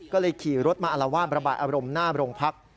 ก็เลยขี่รถมาอารวาสประบายอารมณ์หน้าโรงพัก